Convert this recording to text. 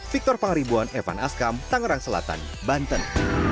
victor pangaribuan evan askam tangerang selatan banten